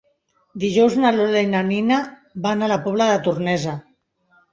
Dijous na Lola i na Nina van a la Pobla Tornesa.